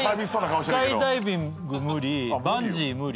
スカイダイビング無理バンジー無理。